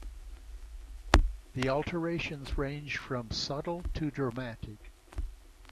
The alterations ranged from subtle to dramatic.